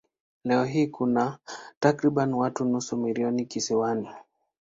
Leo hii kuna takriban watu nusu milioni kisiwani.